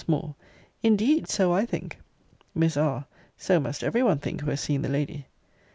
Moore. Indeed so I think. Miss R. So must every one think who has seen the lady.